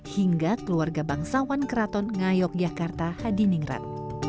hingga keluarga bangsawan keraton ngayog yakarta hadiningrat